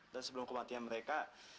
dan sebelum kematian mereka